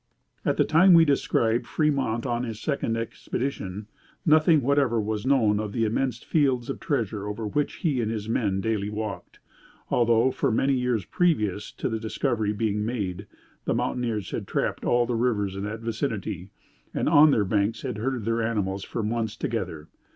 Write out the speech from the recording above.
At the time we describe Fremont on his second expedition, nothing whatever was known of the immense fields of treasure over which he and his men daily walked, although, for many years previous to the discovery being made, the mountaineers had trapped all the rivers in that vicinity, and on their banks had herded their animals for months together.